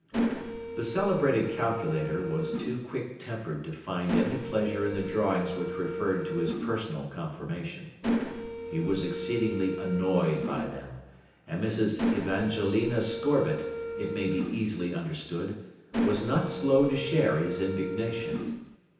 The celebrated calculator was too quick tempered to find any pleasure in the drawings which referred to his personal conformation. He was exceedingly annoyed by them, and Mrs. Evangelina Scorbitt, it may be easily understood, was not slow to share his indignation.